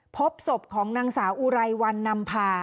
พบศพของนางสาวอุไรวันนำพา